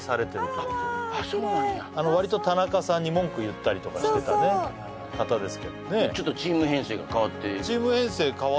そうなんやわりと田中さんに文句言ったりとかしてたね方ですけどねチーム編成変わってんすかね